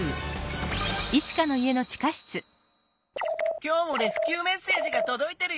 今日もレスキューメッセージがとどいてるよ。